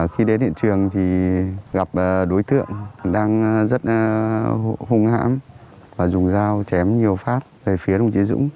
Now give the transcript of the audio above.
khi đến hiện trường thì gặp đối tượng đang rất hung hãm và dùng dao chém nhiều phát về phía đồng chí dũng